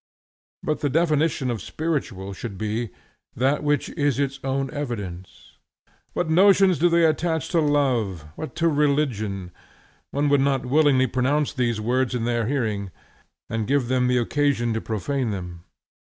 But the definition of spiritual should be, that which is its own evidence. What notions do they attach to love! what to religion! One would not willingly pronounce these words in their hearing, and give them the occasion to profane them.